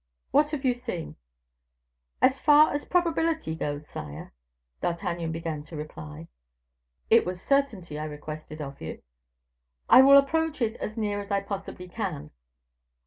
"What have you seen?" "As far as probability goes, sire " D'Artagnan began to reply. "It was certainty I requested of you." "I will approach it as near as I possibly can.